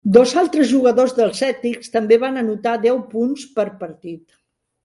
Dos altres jugadors dels Celtics també van anotar deu punts per partit.